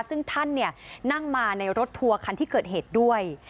ซึ่งท่านนั่งมาในรถทัวร์คันที่เกิดเหตุด้วย